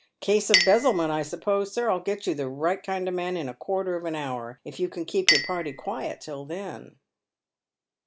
" Case of 'bezzlement, I suppose, sir ? I'll get you the right kind of man in a quarter of an hour, if you can keep your party quiet till then."